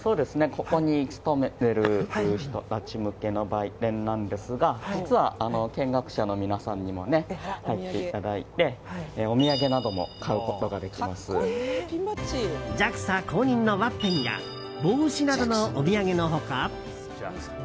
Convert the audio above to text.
ここに勤めてる人たち向けの売店なんですが実は見学者の皆さんにも入っていただいてＪＡＸＡ公認のワッペンや帽子などのお土産の他。